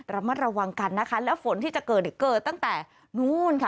ระมัดระวังกันนะคะแล้วฝนที่จะเกิดเนี่ยเกิดตั้งแต่นู้นค่ะ